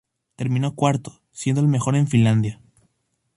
Terminó cuarto, siendo el mejor en Finlandia.